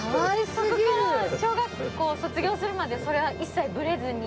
そこから小学校卒業するまでそれは一切ブレずに。